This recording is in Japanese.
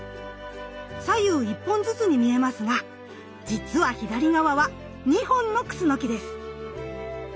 左右１本ずつに見えますがじつは左側は２本のクスノキです。